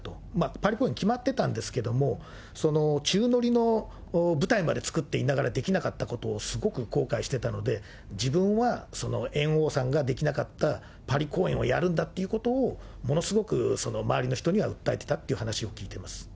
パリ公演、決まっていたんですけれども、宙乗りの舞台まで作っていながら、できなかったことをすごく後悔していたので、自分は猿翁さんができなかったパリ公演をやるんだということを、ものすごく周りの人には訴えていたという話を聞いています。